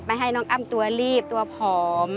ให้น้องอ้ำตัวรีบตัวผอม